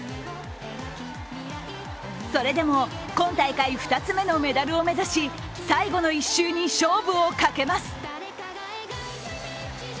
それでも今大会２つ目のメダルを目指し最後の１周に勝負をかけます。